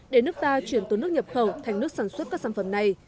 để nước ta chuyển từ nước nhập khẩu thành nước sản xuất các sản phẩm này